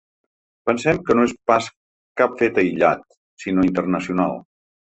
Pensem que no és pas cap fet aïllat, sinó internacional.